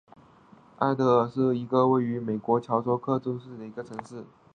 艾得尔是一个位于美国乔治亚州库克县的城市。